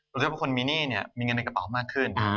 รู้สึกว่าคนมีหนี้เนี่ยมีเงินในกระเป๋ามากขึ้น